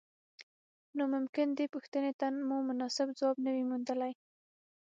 نو ممکن دې پوښتنې ته مو مناسب ځواب نه وي موندلی.